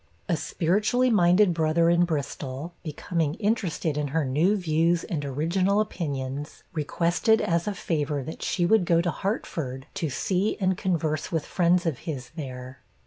A spiritually minded brother in Bristol, becoming interested in her new views and original opinions, requested as a favor that she would go to Hartford, to see and converse with friends of his there.